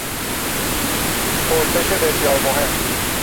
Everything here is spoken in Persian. پرسش بسیار مهم